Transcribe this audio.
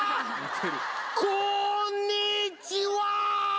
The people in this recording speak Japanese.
こーんにーちは！